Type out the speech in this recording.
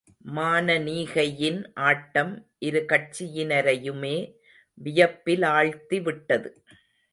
மானனீகையின் ஆட்டம் இருகட்சியினரையுமே வியப்பிலாழ்த்திவிட்டது.